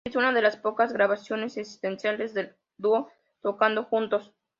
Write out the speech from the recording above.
Es una de las pocas grabaciones existentes del dúo tocando juntos.